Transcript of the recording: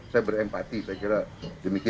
saya berempati saya kira demikian